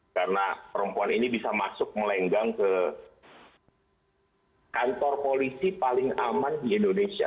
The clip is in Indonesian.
karena perempuan ini bisa masuk melenggang ke kantor polisi paling aman di indonesia